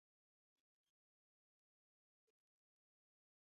该堂的历史可追溯到基督教早期。